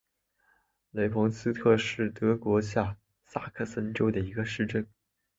雷彭斯特是德国下萨克森州的一个市镇。